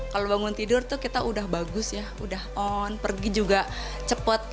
kalau bangun tidur tuh kita udah bagus ya udah on pergi juga cepet